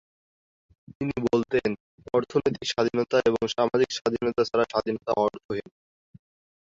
তিনি বলতেন-"অর্থনৈতিক স্বাধীনতা এবং সামাজিক স্বাধীনতা ছাড়া স্বাধীনতা অর্থহীন।"